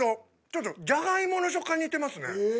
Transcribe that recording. ちょっとじゃがいもの食感に似てますね。